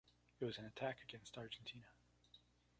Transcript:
It was an attack against Argentina.